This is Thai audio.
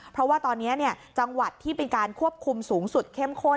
เพราะว่าตอนนี้จังหวัดที่เป็นการควบคุมสูงสุดเข้มข้น